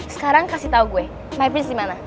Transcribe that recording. sekarang kasih tau gue my prince dimana